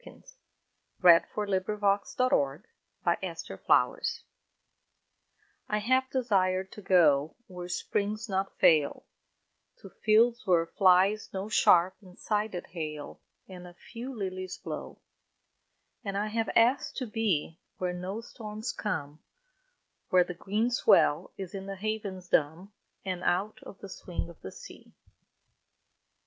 5* 4? 116 R. A! HOPWOOD I HAVE DESIRED TO GO I HAVE desired to go Where springs not fail, To fields where flies no sharp and sided hail, And a few lilies blow. And I have asked to be Where no storms come, Where the green swell is in the havens dumb, And out of the swing of the sea.